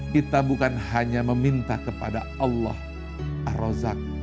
kita bukan hanya meminta kepada allah ar rozak